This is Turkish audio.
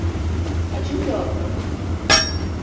Acımıyor mu?